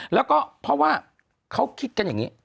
แล้วก็เพราะว่าเขาคิดกันอย่างนี้